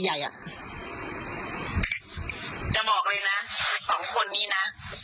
จะบอกเลยนะสองคนนี้นะ